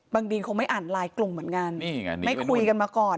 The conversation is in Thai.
ดีนคงไม่อ่านไลน์กลุ่มเหมือนกันไม่คุยกันมาก่อน